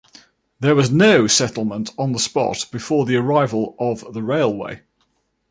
There was no settlement on the spot before the arrival of the railway.